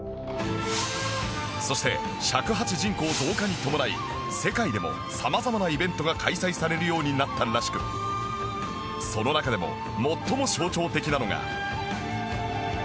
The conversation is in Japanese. そして尺八人口増加に伴い世界でも様々なイベントが開催されるようになったらしくその中でも最も象徴的なのが